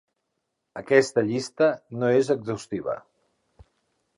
Aquesta llista no és exhaustiva.